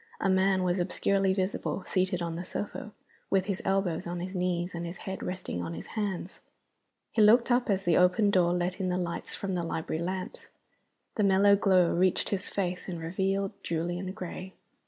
A man was obscurely visible, seated on the sofa, with his elbows on his knees and his head resting on his hands. He looked up as the open door let in the light from the library lamps. The mellow glow reached his face and revealed Julian Gray.